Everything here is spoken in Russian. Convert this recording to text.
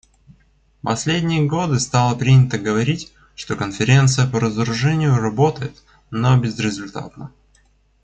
В последние годы стало принято говорить, что Конференция по разоружению работает, но безрезультатно.